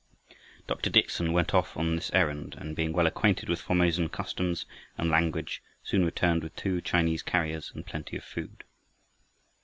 Dr. Dickson went off on this errand, and being well acquainted with Formosan customs and language, soon returned with two Chinese carriers and plenty of food.